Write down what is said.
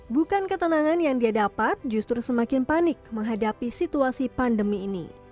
bukan ketenangan yang dia dapat justru semakin panik menghadapi situasi pandemi ini